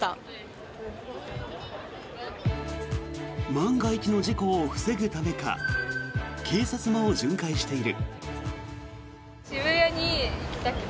万が一の事故を防ぐためか警察も巡回している。